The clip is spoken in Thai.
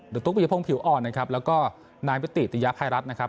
ดรพิวพงศ์ผิวอ่อนแล้วก็นายพิธีติยัพย์ไฮรัฐ